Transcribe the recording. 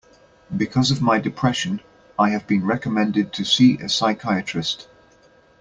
Because of my depression, I have been recommended to see a psychiatrist.